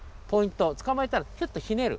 つかまえたらヒュッとひねる。